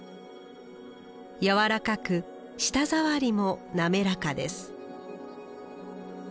やわらかく舌ざわりも滑らかです